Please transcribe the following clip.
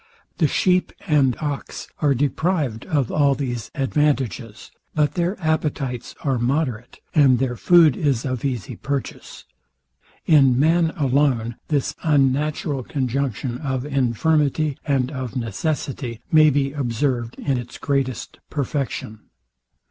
The sheep and ox are deprived of all these advantages; but their appetites are moderate, and their food is of easy purchase. In man alone, this unnatural conjunction of infirmity, and of necessity, may be observed in its greatest perfection.